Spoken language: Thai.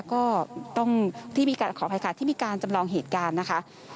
ก็ต้องที่มีการขออภัยค่ะที่มีการจำลองเหตุการณ์นะคะ